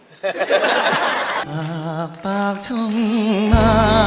หากปากช่องมา